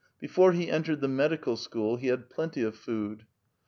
Before he entered the medical school he had plenty of food.